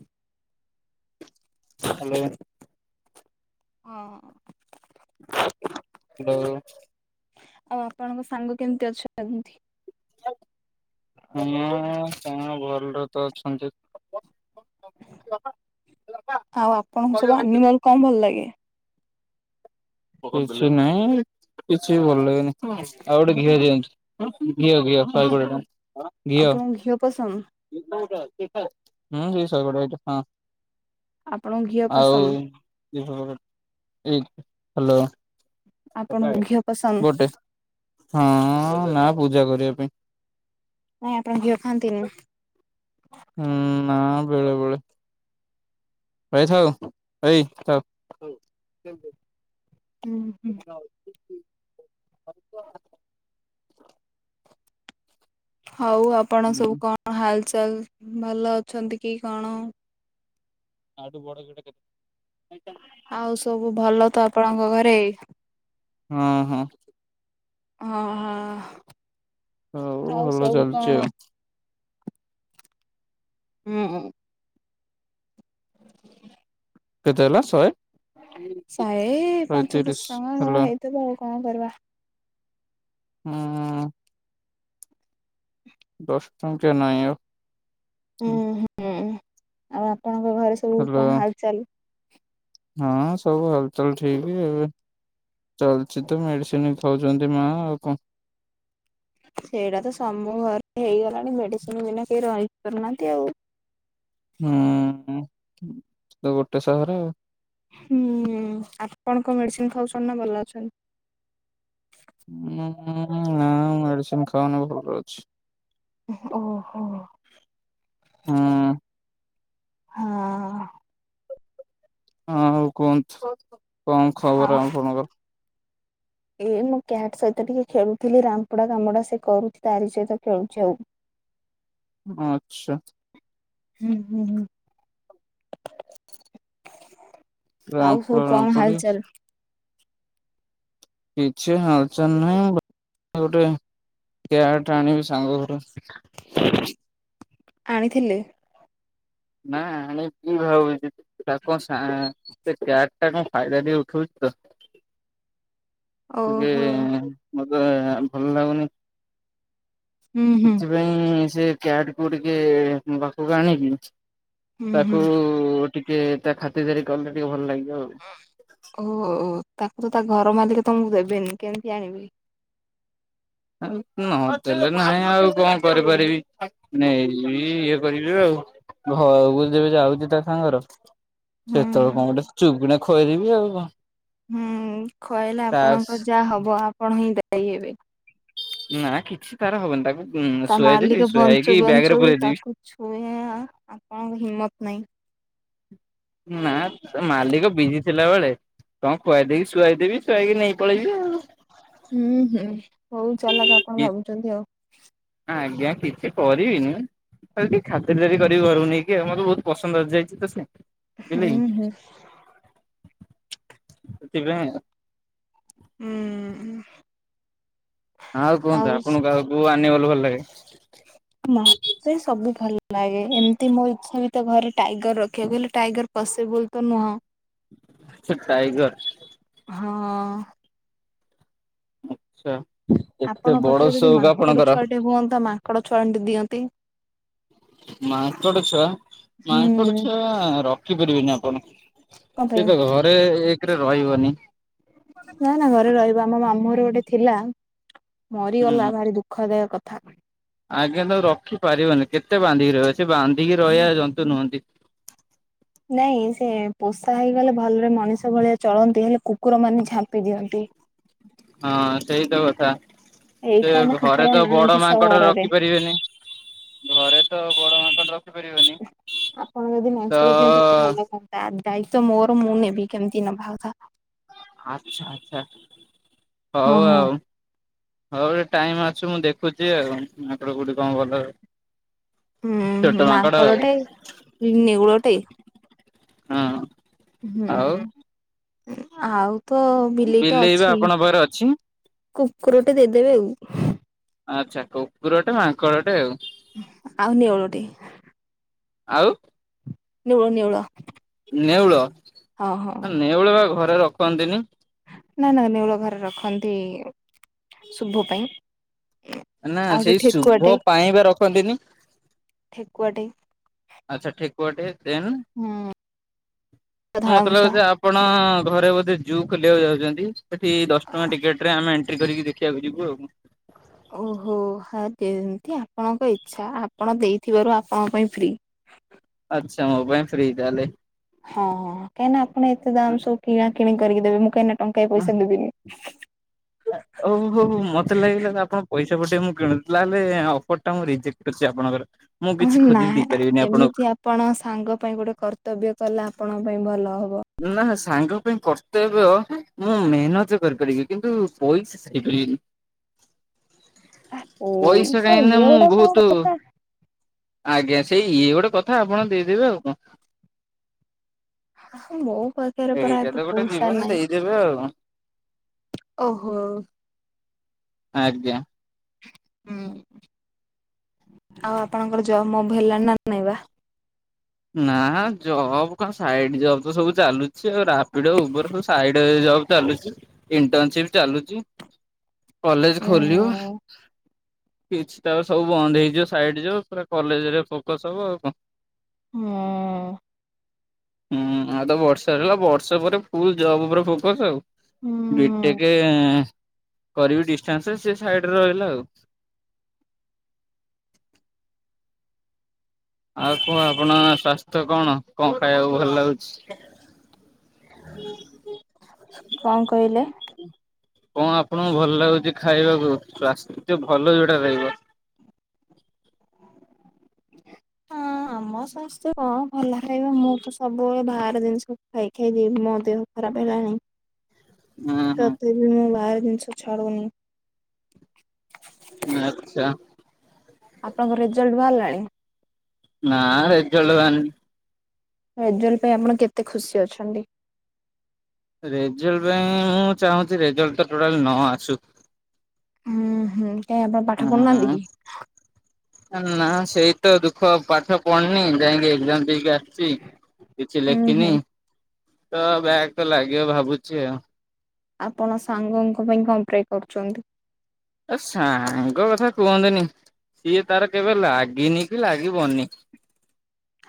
ହଁ ହ୍ୟାଲୋ। ହଁ। ହ୍ୟାଲୋ। ଆଉ ଆପଣଙ୍କ ସାଙ୍ଗ କେମିତି ଅଛନ୍ତି? [unintelligible] ଭଲରେ ତ ଅଛନ୍ତି। ଆଉ ଆପଣଙ୍କୁ ସବୁ ଆନିମଲ କଣ ଭଲ ଲାଗେ? କିଛି ନାଇଁ କିଛି ଭଲ ଲାଗେନି ଆଉ ଗୋଟେ ଘିଅ ଦିଅନ୍ତୁ। ଘିଅ ଘିଅ ଶହେ କୋଡ଼ିଏ ଟଙ୍କା। ଆପଣଙ୍କୁ ଘିଅ ପସନ୍ଦ ହୁଁ ସେଇ ଶହେ କୋଡ଼ିଏ [unintelligible] ଆପଣଙ୍କୁ ଘିଅ ଆଉ ପସନ୍ଦ [unintelligible] ଏଇ ହ୍ୟାଲୋ। ଆପଣଙ୍କୁ ଘିଅ ପସନ୍ଦ ଗୋଟେ ହଁ ନା ପୂଜା କରିବା ପାଇଁ। ନାଇଁ ଆପଣ ଘିଅ ଖାଆନ୍ତିନି। ହୁଁ। ନା ବେଳେ ବେଳେ ଭାଇଥାଉ ଭାଇ ଥାଉ। କିନ୍ତୁ। ହୁଁ ହୁଁ। ହଉ ଆପଣ ହଁ ସବୁ କଣ ହାଲଚାଲ ଭଲ ଅଛନ୍ତି କି କଣ? ଆଟୁ ବଡ଼ ଯୋଉଟା କେତେ? ଆଉ ସବୁ ଭଲ ତ ଆପଣଙ୍କ ଘରେ? ହଁ ହଁ। ହଁ ହଁ ଆଉ ଭଲ ସବୁ ଚାଲିଛି କଣ? ଆଉ ଉଁ ଉଁ। କେତେ ହେଲା ଶହେ ସେଇ ଶହେ ପାଞ୍ଚ ଦଶ ତିରିଶ ଟଙ୍କା କଣ ହେଲା ହେଇଥବ ଆଉ କଣ କରିବା। ହୁଁ। ଦଶ ଟଙ୍କିଆ ନାହିଁ ଆଉ। ହୁଁ ହୁଁ ଆଉ ଆପଣଙ୍କ ଘରେ ସବୁ ହେଲା କଣ ହାଲଚାଲ? ହଁ ସବୁ ହାଲ ଚାଲ ଠିକ ଏବେ। ଚାଲଛି ତ ମେଡିସିନ ଖାଉଛନ୍ତି ମା ଆଉ କଣ। ସେଇଟା ତ ସମୁ ଘରେ ହେଇଗଲାଣି ମେଡିସିନ ବିନା କେହି ରହିପାରୁନାହାନ୍ତି ଆଉ। ହୁଁ ତ ଗୋଟେ ସହର ଆଉ। ହୁଁ ଆପଣ କଣ ମେଡିସିନ ଖାଉଛନ୍ତି ନା ଭଲ ଅଛନ୍ତି? ଉଁ ନା ମେଡିସିନ ଖାଉନି ଭଲ ଅଛି। ଓହୋ। ହଁ। ହଁ। ହଁ ଆଉ କୁହନ୍ତୁ କଣ ଖବର ଆପଣଙ୍କର? ଏ ମୁଁ କ୍ୟାଟ୍ ସହିତ ଟିକେ ଖେଳୁଥିଲି ରାମ୍ପୁଡ଼ା କାମୁଡା ସେ କରୁଛି ତାରି ସହିତ ଖେଳୁଛି ଆଉ। ଆଛା। ହୁଁ ହୁଁ ହୁଁ। ଆଉ ସବୁ ରାମ୍ପଡା କଣ ରାମ୍ପୁଡି ହାଲଚାଲ? କିଛି ହାଲଚାଲ ନାହିଁ ଗୋଟେ କେଆଟ ଆଣିବି ସାଙ୍ଗ ଘରୁ ଆଣିଥିଲେ? ନା ଆଣିବି ଭାବୁଛି ତାକୁ [unintelligible] ସେଟା କଣ ଫାଇଦା ଟିକେ ଉଠଉଛି ତ ଓହୋ ଟିକେ ମତେ ଭଲ ଲାଗୁନି। ହୁଁ ହୁଁ। ସେଥିପାଇଁ ସେ କ୍ୟାଟ୍ କୁ ଟିକେ ମୋ ପାଖକୁ ଆଣିକି ହୁଁ ହୁଁ ତାକୁ ଟିକେ ତା ଖାତିର ଦାରି କଲେ ଟିକେ ଭଲ ଲାଗିବ ଆଉ। ଓ ହୋ ତାକୁ ତ ତା ଘର ମାଲିକ ତମକୁ ଦେବେନି କେମିତି ଆଣିବି? ନ ଦେଲେ ନାହିଁ ଆଉ କଣ କରିପାରିବି। ନେଇ ଯିବି ଇଏ କରିବି ଆଉ ଘରକୁ ଯେବେ ଯାଉଛି ତା ସାଙ୍ଗର ହୁଁ ସେତେବେଳୁ କଣ ଗୋଟେ ଚୁପ୍କିଣା ଖୋଇଦେବି ଆଉ ହୁଁ ଖୁଆଇଲେ ତାସ୍ ଆପଣଙ୍କ ଯାହା ହବ ଆପଣ ହିଁ ଦାୟୀ ହେବେ ନା କିଛି ତାର ହବନି ତାକୁ ତା ଶୁଆଇଦେବି ଶୁଆଇକି ବ୍ୟାଗ୍ ରେ ପୁରେଇ ଦେବି। ଛୁଇଁଆ ଆପଣଙ୍କ ହିମ୍ମତ ନାହିଁ। ନା ତା ମାଲିକ ବିଜି ଥିଲା ବେଳେ କଣ ଖୁଆଇଦେଇକି ଶୁଆଇଦେବି ଶୁଆଇକି ନେଇକି ପଳେଇବି। ଆଉ। ହୁଁ ହୁଁ ବହୁତ ଚାଲାକ୍ ଆପଣ ଭାବୁଛନ୍ତି ଆଉ। ଆଜ୍ଞା କିଛି କରିବିନି ଖାଲି ଟିକେ ଖାତିର ଦାରି କରିିବି ଘରକୁ ନେଇକି ଆଉ ମତେ ବହୁତ ପସନ୍ଦ ଆସିଯାଇଛି ତ ସେ ହୁଁ ବିଲେଇ ହୁଁ। ସେଥିପାଇଁ ଉଁ ହୁଁ। ଆଉ କୁହନ୍ତୁ ଆପଣଙ୍କୁ ଆଉ କୋଉ ଆନିମଲ ଭଲ ଲାଗେ? ନା। ସେ ସବୁ ଭଲ ଲାଗେ ଏମିତି ମୋ ଇଚ୍ଛା ବି ତ ଘରେ ଟାଇଗର୍ ରଖିଆକୁ ହେଲେ ଟାଇଗର୍ ପସିବୁଲ ତ ନୁହଁ। ସେ ଟାଇଗର୍ ହଁ। ଆଚ୍ଛା। ଆପଣ ପାଖରେ ଯଦି ମାଙ୍କଡ଼ ଛୁଆ ଟେ ହୁଅନ୍ତା ମାଙ୍କଡ଼ ଛୁଆଣ୍ଟେ ଦିଅନ୍ତି। ମାଙ୍କଡ଼ ଛୁଆ ମାଙ୍କଡ଼ ହୁଁ ଛୁଆ ରଖିପାରିବେନି ଆପଣ। କଣ ପାଇଁ? ସିଏତ ଘରେ ଏକ୍ ରେ ରହିବନି ନା ନା ଘରେ ରହିବ ଆମ ମାମୁଁ ଘରେ ଗୋଟେ ଥିଲା। ହୁଁ ମରିଗଲା ଭାରି ଦୁଃ ଖ ଦାୟ କଥା। ଆଜ୍ଞା ତାକୁ ରଖିପାରିବନି କେତେ ବାନ୍ଧିକି ରହିବ ସେ ବାନ୍ଧିକି ରହିବା ଜନ୍ତୁ ନୁହନ୍ତି। ନାଇଁ ସେ ପୋଷା ହେଇଗଲେ ଭଲରେ ମଣିଷ ଭଳିଆ ଚଳନ୍ତି। ହେଲେ କୁକୁର ମାନେ ଝାମ୍ପି ଦିଅନ୍ତି। ହଁ ସେଇତ କଥା। ଏଇଠି ସେ ତ ଆମ ଘରେ କୁକୁର ତ ବଡ଼ ନାହାନ୍ତି ମାଙ୍କଡ଼ ସହରରେ। ରଖିପାରିବେନି ଘରେ ତ ବଡ଼ ମାଙ୍କଡ଼ ରଖିପାରିବନି ତ ତା ଦାୟିତ୍ଵ ମୋର ମୁଁ ନେବି କେମିତି ନଭାକଥା ଅଚ୍ଛା ଆଚ୍ଛା ହଁ ହଉ ହଁ। ଆଉ ହଉ ହେ ଟାଇମ୍ ଆସୁ ମୁଁ ଦେଖୁଚି ଆଉ ମାଙ୍କଡ଼ କୋଉଠି କଣ ଭଲ ହୁଁ ଛୋଟ ମାଙ୍କଡ଼ ଆଉ। ମାଙ୍କଡଟେ ନେଉଳଟେ ହଁ। ଆଉ ହୁଁ ଆଉ ତ ବିଲେଇଟେ ବିଲେଇ ବା ଅଛି। ଆପଣଙ୍କ ପାଖରେ ଅଛି? କୁକୁରଟେ ଦେଇଦେବେ ଆଉ। ଆଚ୍ଛା କୁକୁରଟେ ମାଙ୍କଡ଼ଟେ ଆଉ ଆଉ ନେଉଳଟେ ଆଉ ନେଉଳ ନେଉଳ ନେଉଳ ହଁ ହଁ। ଆ ନେଉଳ ବା ଘରେ ରଖନ୍ତିନି ନା ନା ନେଉଳ ଘରେ ରଖନ୍ତି। ଶୁଭ ପାଇଁ। ନା ଆଉ ଗୋଟେ ସେଇ ଠେକୁଆଟେ ଶୁଭ ପାଇଁ ପା ରଖନ୍ତିନି। ଠେକୁଆ ଟେ ଆଚ୍ଛା ଠେକୁଆଟେ ଦେନ୍ ହୁଁ ଧଳା ମତେ ମୂଷା ଲାଗୁଚି ଆପ ଆପଣ ଘରେ ବୋଧେ ଜୁ ଖୋଲିବାକୁ ଯାଉଚନ୍ତି। ଏଠି ଦଶ ଟଙ୍କା ଟିକେଟ ରେ ଆମେ ଏଣ୍ଟ୍ରି କରିକି ଦେ ଦେଖିବାକୁ ଯିବୁ ଆଉ କଣ। ଓହୋ ହଁ ଯେମତି ଆପଣଙ୍କ ଇଚ୍ଛା ଆପଣ ଦେଇଥିବାରୁ ଆପଣଙ୍କ ପାଇଁ ଫ୍ରି। ଆଚ୍ଛା ମୋ ପାଇଁ ଫ୍ରି ତାହାଲେ। ହଁ କାହିଁନା ଆପଣ ଏତେ ଦାମ୍ ସବୁ କିଣା କିିଣି କରିକି ଦେବେ। ମୁଁ କାହିଁନା ଟଙ୍କାଏ ପଇସା ଦେବିନି। ଆଁ ଓହୋ ହୋ ‌ହୋ ମତେ ଲାଗିଲା ଆପଣ ପଇସା ପଠେଇବେ ମୁଁ କିଣୁ ତାହେଲେ ଅଫର ଟା ମୁଁ ରିଜେକ୍ଟ୍ କରୁଚି ଆପଣଙ୍କର। ମୁଁ କିଛି ନା ଖୋଜିକି ଦେଇପାରିବିନି ଏମିତି ଆପଣଙ୍କୁ। ଆପଣ ସାଙ୍ଗ ପାଇଁ ଗୋଟେ କର୍ତ୍ତବ୍ୟ କଲେ ଆପଣଙ୍କ ପାଇଁ ଭଲ ହବ। ନା ସାଙ୍ଗ ପାଇଁ କର୍ତ୍ତବ୍ୟ ମୁଁ ମେହେନତ କରିପାରିବି କିନ୍ତୁ ପଇସା ସାରିପାରିବିନି। ପଇସା କାହିଁନା ଇଏ ମୁଁ ଗୋଟା କଣ ବହୁତୁ କଥା। ଆଜ୍ଞା ସେଇ ଇଏ ଗୋଟେ କଥା ଆପଣ ଦେଇଦେବେ ଆଉ କଣ। ଆହା ମୋ ପା ଖେରେ ପରା ଏଇଟା ତ ଏବେ ଗୋଟେ ପଇସା ଜୀବନ ନାଇଁ ଦେଇଦେବେ ଆଉ କଣ। ଓହୋ। ଆଜ୍ଞା। ହୁଁ ଆଉ ଆପଣଙ୍କର ଜବ୍ ମବ୍ ହେଲାଣି ନା ନଇଁବା? ନା ଜବ କଣ ସାଇଡ ଜବ୍ ତ ସବୁ ଚାଲୁ ଚି ରାପିଡୋ ଉର୍ବର ସବୁ ସାଇଡି ଜବ ଚାଲୁଚି ଇଣ୍ଟନସିପ ଚାଲୁଚି। କଲେଜ୍ ଉଁ ଖୋଲିବ। କିଛି ତାପରେ ସବୁ ବନ୍ଦ ହେଇଯିବ ସାଇଡ ଜବ ପୁରା କଲେଜ୍ ରେ ଫୋକସ ହବ ଆଉ କଣ। ମୁଁ। ହୁଁ ଆଉ ତ ବର୍ଷେ ହେଲା ବର୍ଷେ ପରେ ଫୁଲ୍ ଜବ୍ ଉପରେ ଫୋକସ୍ ଆଉ। ହୁଁ ବିଟେକେ କରିବି ଡିଟାନ୍ସେ ସେ ସାଇଡରେ ରହିଲା ଆଉ। ଆଉ କୁହ ଆପଣ ସ୍ଵାସ୍ଥ୍ୟ କଣ କଣ ଖାଇବାକୁ ଭଲ ଲାଗୁଛି? କଣ କହିଲେ? କଣ ଆପଣଙ୍କୁ ଭଲ ଲାଗୁଛି ଖାଇବାକୁ ସ୍ଵାସ୍ଥ୍ୟ ଭଲ ଯୋଉଟା ରହିବ? ହଁ [inaudible] ଆମ ସ୍ୱାସ୍ଥ୍ୟ କଣ ଭଲ ଖାଇବ ମୁଁ ତ ସବୁବେଳେ ବାହାର ଜିନିଷ ଖାଇ ଖାଇଦେବି ମୋ ଦେହ ଖରାପେ ହେଲାଣି ହୁଁ ହୁଁ। ତଥ ବି ମୁଁ ବାହାର ଜିନିଷ ଛାଡ଼ୁନି। ନାଚା। ଆପଣଙ୍କ ରେଜଲ୍ଟ ବାହାରିଲାଣି? ନାଁ ରେଜଲ୍ଟ ବାହାରିନି। ରେଜଲ୍ଟ ପାଇଁ ଆପଣ କେତେ ଖୁସି ଅଛନ୍ତି? ରେଜଲ୍ଟ ପାଇଁ ମୁଁ ଚାହୁଁଛି ରେଜଲ୍ଟ ତ ଟୋଟାଲ ନ ଆସୁ। ଉଁ ହଉ। ଅଁ। ଏ ନା ସେଇ ତ ଦୁଃଖ ପାଠ ପଢିନି ଯାଇକି ଏକ୍ଜାମ ଦେଇକି ଆ ଚି କିଛି ହୁଁ ଲେଖିନି ହୁଁ ତ ବ୍ୟାଗ୍ ତ ଲାଗିବ ଭାବୁଛି ଆଉ। ଆପଣ ସାଙ୍ଗଙ୍କ ପାଇଁ କଣପ୍ରେ କରୁଚନ୍ତି? ଏ ସାଙ୍ଗ କଥା କୁହନ୍ତୁ ନି ସିଏ ତାର କେବେ ଲାଗିନି କି ଲାଗିବନି?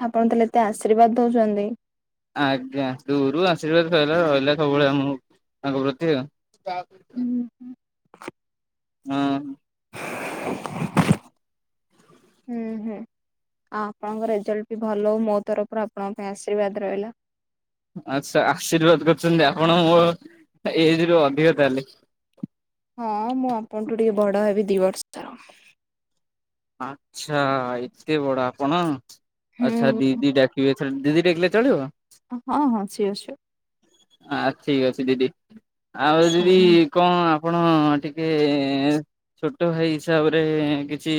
ଆପଣ ତାହେଲେ ଏତେ ଆଶ୍ରୀର୍ବାଦ ଦଉଛନ୍ତି। ଆଜ୍ଞା ଦୂରୁ ଆଶ୍ରୀର୍ବାଦ ସଇଲା ରହିଲା ସବୁବେଳେ ମୁଁ ତାଙ୍କ ପ୍ରତି ଆଉ। ଓହୋ। ହଁ। ହୁଁ ହୁଁ। ଆଉ ଆପଣଙ୍କ ରେଜଲ୍ଟ ବି ଭଲ ହଉ ମୋ ତରଫରୁ ଆପଣଙ୍କ ପାଇଁ ଆଶ୍ରୀର୍ବାଦ ରହିଲା? ଆଚ୍ଛା ଆଶ୍ରୀର୍ବାଦ କରୁଛନ୍ତି ଆପଣ ମୋ ଏଜରୁ ଅଧିକ ତାହେଲେ? ହଁ ମୁଁ ଆପଣଠୁ ଟିକେ ବଡ ହେବି ଦି ବର୍ଷର। ଆଚ୍ଛା ଏତେ ବଡ ଆପଣ ଆଚ୍ଛା ହୁଁ ଦିଦି ଡା [unintelligible] ଦିଦି ଡାକିଲେ ଚଳିବ? ହଁ ହଁ ସିଓର ସିଓର। ଆ ଠିକ ଅଛି ଦିଦି। ଆଉ ଦିଦି ହୁଁ। କଣ ଆପଣ ଟିକେ ଛୋଟ ଭାଇ ହିସାବରେ କିଛି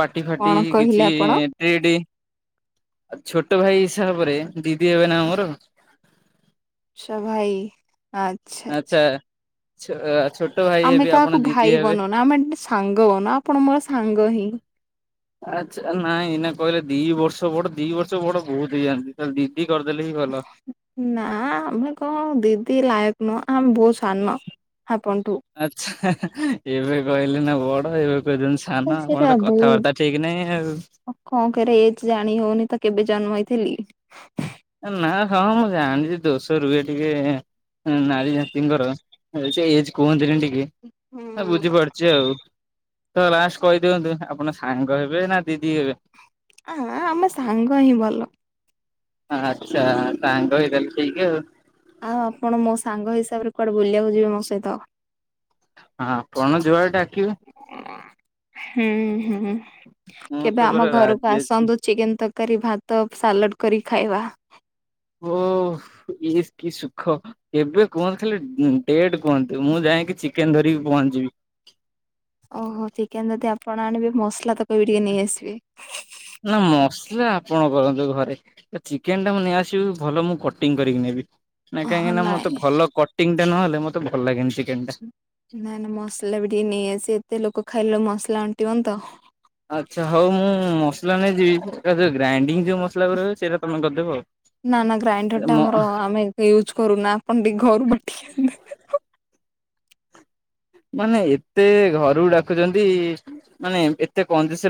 ପାଟି ଫାଟି କଣ କହିଲେ କିଛି ଆପଣ ଟ୍ରିଟ ଆଉ ଛୋଟ ଭାଇ ହିସାବରେ ଦିଦି ହେବେ ନା ମୋର। [unintelligible] ଭାଇ ଆ ଆଚ୍ଛା ଛୋ ଛୋ ଆମେ କାହାକୁ ଭାଇ ବନଉନା ଆମେ ସାଙ୍ଗ ବନାଉ ଆପଣ ମୋର ସାଙ୍ଗ ହିଁ। ଆଚ୍ଛା ନାଇଁ ଏଇନା କହିଲେ ଦି ବର୍ଷ ବଡ ଦି ବର୍ଷ ବଡ ବହୁତ ହେଇଯାଆନ୍ତି। ଦିଦି କରିଦେଲେ ହିଁ ଭଲ। ନା ଆମେ କଣ ଦିଦି ଲାୟକ ନୁହଁ ଆମେ ବହୁତ ସାନ ଆପଣଠୁ। ଆଛା ଏବେ କହିଲେ ନା ବଡ ଏବେ କହୁଚନ୍ତି ସା ନ। ସେଇଟା ଆପଣ ତ ବହୁତ କଥାବାର୍ତ୍ତା ଠିକ ନାହିଁ ଆଉ। କଣ କରିଆ ଏଜ ଜାଣି ହଉନି ତ କେବେ ଜନ୍ମ ହେଇଥିଲି। ନା ହଁ ମୁଁ ଜାଣିଚି ଦୋଷ ରୁହେ ଟିକେ ନାରୀ ଜାତିଙ୍କର ଏଜ କୁହନ୍ତିନି ଟିକେ ହୁଁ ବୁଝିପାରୁଚି ଆଉ। ତ ଲାଷ୍ଟ କହିଦିଅନ୍ତୁ ଆପଣ ସାଙ୍ଗ ହେବେ ନା ଦିଦି ହେବେ? ଆ ଆମ ସାଙ୍ଗ ହିଁ ଭଲ। ଆଚ୍ଛା ସାଙ୍ଗ ହେଇ ତାହେଲେ ଠିକ୍ ଆଉ। ଆଉ ଆପଣ ମୋ ସାଙ୍ଗ ହିସାବରେ କୁଆଡେ ବୁଲିବାକୁ ଯିବେ ମୋ ସହିତ? ଆପଣ ଯୁଆଡେ ଡାକି ହୁଁ ହୁଁ ମୁଁ ତ କେବେ ଆମ ପୁରା ଘରକୁ ରାଜି ଅଛି ଆସନ୍ତୁ ଚିକେନ ତରକାରୀ ଭାତ ସାଲଡ କରି ଖାଇବା। ଓଃ ଇଏ କିି ସୁଖ। ଏବେ କୁହନ୍ତୁ ଖାଲି ଡେଟ କୁହନ୍ତୁ ମୁଁ ଯାଇକି ଚିକେନ ଧରିକି ପହଞ୍ଚିଯିବି। ଓହୋ ଚିକେନ ଯଦି ଆପଣ ଆଣିବେ ମସଲା ତକ ବି ଟିକେ ନେଇଆସିବେ। ନା ମସଲା ଆପଣ କରନ୍ତୁ ଘରେ। ଚିକେନ ଟା ମୁଁ ନେଇଆସିବି ଭଲ ମୁଁ କଟିଂ କରିକି ନେବି। ନା କାହିଁକି ହଁ ନା ମତେ ନାଇଁ। ଭଲ କଟିଂ ଟା ନହଲେ ମତେ ଭଲ ଲାଗେନି ଚିକେନ ଟା। ନାଇ ନାଇ ମସଲା ବି ଟିକେ ନେଇଆସିବେ ଏତେ ଲୋକ ଖାଇଲେ ମସଲା ଅଣ୍ଟିବନି ତ। ଆଚ୍ଛା ହଉ ମୁଁ ମସଲା ନେଇ ଯିବି ଯୋଉ ଗ୍ରାଇଣ୍ଡିଙ୍ଗ ଯୋଉ ମସଲା ଗୁରା ହୁଏ ସେଇଟା ତମେ କରିଦେବ ଆଉ। ନା ନା ଗ୍ରାଇଣ୍ଡର ଟା ଆମର ଆମେ ୟୁଜ୍ କରୁନୁ ଆପଣ ଟିକେ ଘରୁ ବାଟିିକି ଆଣି ଦେବେ। ମାନେ ଏତେ ଘରକୁ ଡାକୁଚନ୍ତି ମାନେ ଏତେ କଞ୍ଜୁସ ହେଲେ